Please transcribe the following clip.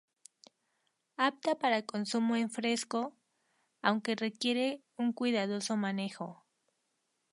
Apta para consumo en fresco, aunque requiere un cuidadoso manejo.